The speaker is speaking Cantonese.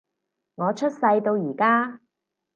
我出世到而家